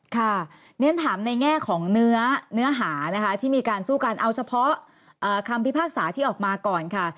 ค่ะเรียนถามในแง่ของเนื้อหานะคะที่มีการสู้กันเอาเฉพาะคำพิพากษาที่ออกมาก่อนค่ะ